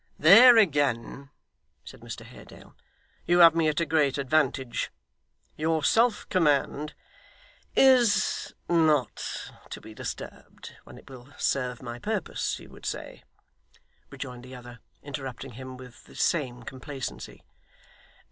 'There again,' said Mr Haredale, 'you have me at a great advantage. Your self command ' 'Is not to be disturbed, when it will serve my purpose, you would say' rejoined the other, interrupting him with the same complacency.